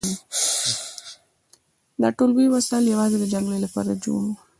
دا ټول لوی وسایل یوازې د جګړې لپاره جوړ وو